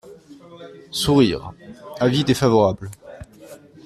(Sourires.) Avis défavorable.